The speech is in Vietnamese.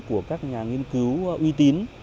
của các nhà nghiên cứu uy tín